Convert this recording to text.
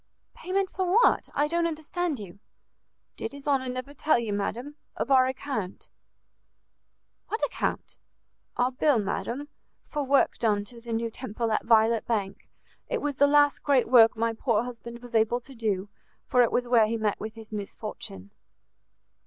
"Payment for what? I don't understand you." "Did his honour never tell you, madam, of our account?" "What account?" "Our bill, madam, for work done to the new Temple at Violet Bank: it was the last great work my poor husband was able to do, for it was there he met with his misfortune."